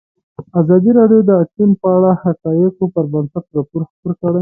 ازادي راډیو د اقلیم په اړه د حقایقو پر بنسټ راپور خپور کړی.